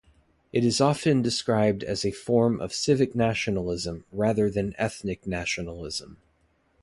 It is often described as a form of civic nationalism rather than ethnic nationalism.